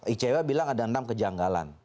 icw bilang ada enam kejanggalan